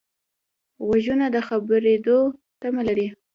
غوږونه د خبرېدو تمه لري